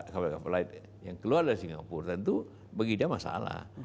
capital flight yang keluar dari singapura tentu bagi dia masalah